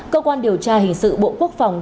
cơ quan điều tra hình sự bộ quốc phòng